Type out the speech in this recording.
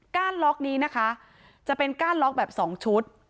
ล็อกนี้นะคะจะเป็นก้านล็อกแบบ๒ชุด